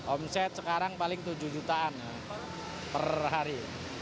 omset sekarang paling tujuh jutaan per hari